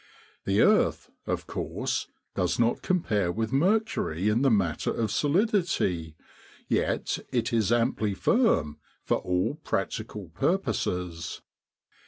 The earth, of course, does not compare with Mercury in the matter of solidity, yet it is amply firm for all practical purposes.